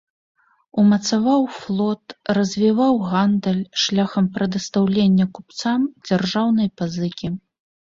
Умацаваў флот, развіваў гандаль шляхам прадастаўлення купцам дзяржаўнай пазыкі.